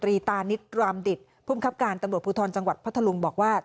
ตานิดรามดิตภูมิครับการตำรวจภูทรจังหวัดพัทธลุงบอกว่า